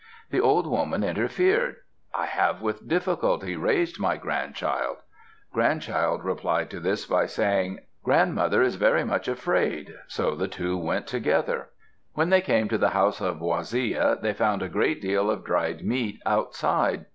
The old woman interfered: "I have with difficulty raised my grandchild." Grandchild replied to this by saying, "Grandmother is very much afraid." So the two went together. When they came to the house of Waziya, they found a great deal of dried meat outside.